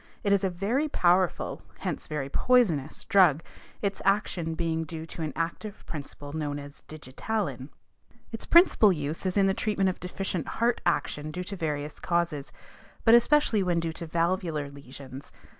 It is a very powerful, hence very poisonous drug, its action being due to an active principle known as digitalin. Its principal use is in the treatment of deficient heart action due to various causes but especially when due to valvular lesions.